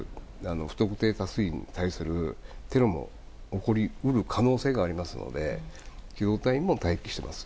不特定多数に対するテロも起こり得る可能性がありますので機動隊も待機しています。